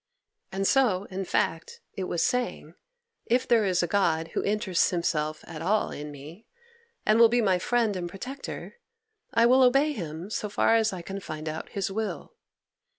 And so, in fact, it was saying "If there is a God who interests himself at all in me, and will be my friend and protector, I will obey Him so far as I can find out His will."